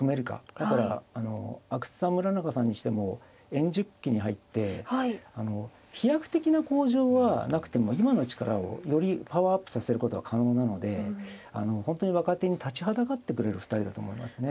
だから阿久津さん村中さんにしても円熟期に入って飛躍的な向上はなくても今の力をよりパワーアップさせることは可能なので本当に若手に立ちはだかってくれる２人だと思いますね。